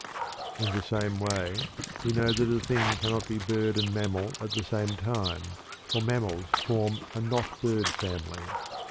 In the same way we know that a thing cannot be bird and mammal at the same time, for the mammals form a not bird family.